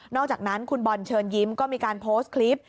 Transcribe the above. อกจากนั้นคุณบอลเชิญยิ้มก็มีการโพสต์คลิป